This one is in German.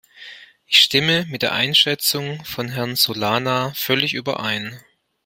Ich stimme mit der Einschätzung von Herrn Solana völlig überein.